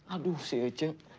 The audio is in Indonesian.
aduh sih cek